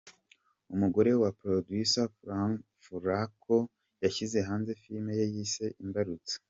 Umugore wa Porodusa Furako yashyize hanze Filime ye yise “Imbarutso”